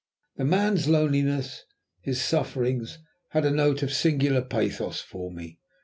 The man's loneliness, his sufferings, had a note of singular pathos for me.